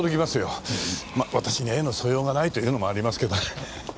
まあ私に絵の素養がないというのもありますけどね。